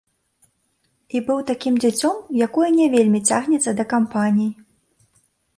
І быў такім дзіцём, якое не вельмі цягнецца да кампаній.